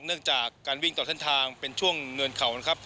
เนื่องจากการวิ่งต่อทางเป็นช่วงเนื้อนเข่า